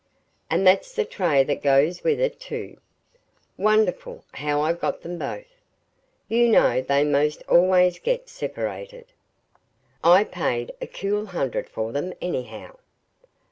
And that's the tray that goes with it, too. Wonderful how I got them both! You know they 'most always get separated. I paid a cool hundred for them, anyhow."